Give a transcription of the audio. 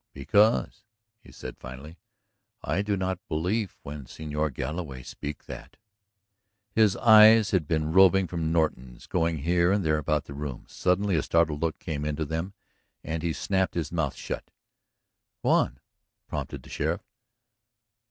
"Because," he began finally, "I do not belief when Señor Galloway speak that ..." His eyes had been roving from Norton's, going here and there about the room. Suddenly a startled look came into them and he snapped his mouth shut. "Go on," prompted the sheriff.